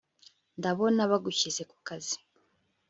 ndabona bagushyize kukazi